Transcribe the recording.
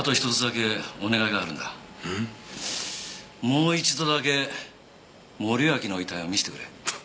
もう一度だけ森脇の遺体を見せてくれ。